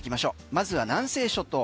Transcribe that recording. まずは南西諸島。